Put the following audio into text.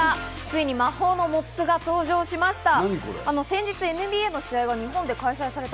ついに魔法のモップが登場しました。